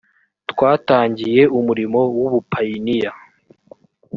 twatangiye umurimo w ‘ubupayiniya.